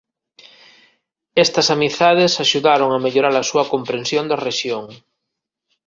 Estas amizades axudaron a mellorar a súa comprensión da rexión.